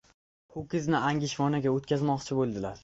• Ho‘kizni angishvonaga o‘tqazmoqchi bo‘ladilar.